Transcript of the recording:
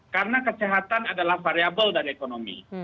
karena kesehatan adalah variable dari ekonomi